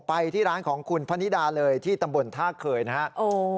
ไปที่ร้านของคุณพนิดาเลยที่ตำบลท่าเคยนะครับ